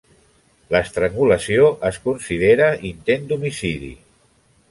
L'estrangulació es considera intent d'homicidi.